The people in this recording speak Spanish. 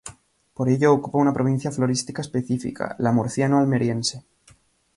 Por ello ocupa una provincia florística específica, la murciano-almeriense.